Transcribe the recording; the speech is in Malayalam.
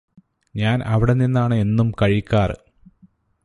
ഞാന് അവിടെ നിന്നാണ് എന്നും കഴിക്കാറ്